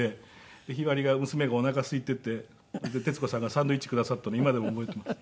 向日葵が娘がおなかすいていて徹子さんがサンドイッチくださったのを今でも覚えています。